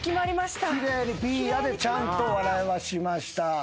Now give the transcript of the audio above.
奇麗にピーヤでちゃんと笑わしました。